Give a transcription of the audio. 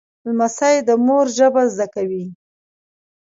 لمسی د مور ژبه زده کوي.